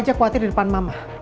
aku aja khawatir di depan mama